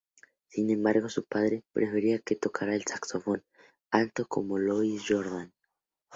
Sin embargo su padre, prefería que tocara el saxofón alto como Louis Jordan.